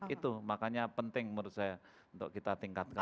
itu makanya penting menurut saya untuk kita tingkatkan